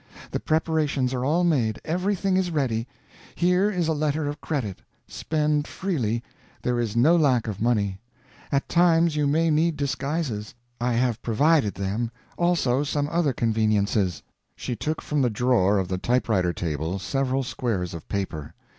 The preparations are all made; everything is ready. Here is a letter of credit; spend freely, there is no lack of money. At times you may need disguises. I have provided them; also some other conveniences." She took from the drawer of the type writer table several squares of paper.